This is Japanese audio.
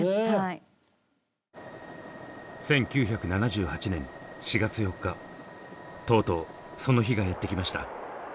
１９７８年４月４日とうとうその日がやって来ました。